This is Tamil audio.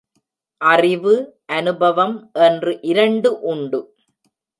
அறிவு, அநுபவம் என்று இரண்டு உண்டு.